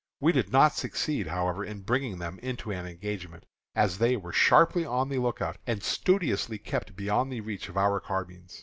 We did not succeed, however, in bringing them into an engagement, as they were sharply on the lookout, and studiously kept beyond the reach of our carbines.